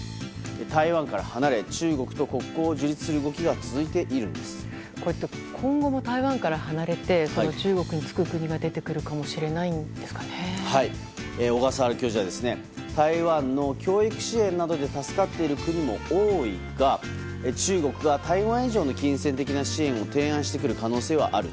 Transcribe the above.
台湾から離れ中国と国交を樹立する動きが今後も台湾から離れて中国につく国が小笠原教授は台湾の教育支援などで助かっている国も多いが中国が台湾以上に金銭的な支援を提案してくる可能性はある。